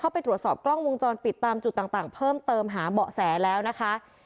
ไปตรวจสอบกล้องวงจรปิดตามจุดต่างเพิ่มเติมหาเบาะแสแล้วนะคะ